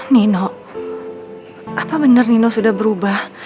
nino apa benar nino sudah berubah